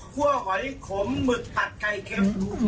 หอยขมหมึกผัดไก่เค็ม